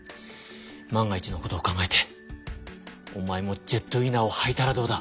万が一のことを考えておまえもジェットウィナーをはいたらどうだ？